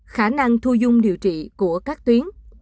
khả năng thu dung điều trị của các tuyến